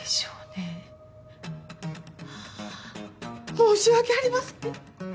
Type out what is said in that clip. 申し訳ありません。